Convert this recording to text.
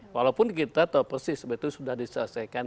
walaupun kita tahu persis itu sudah diselesaikan